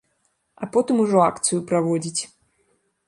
А потым ужо акцыю праводзіць.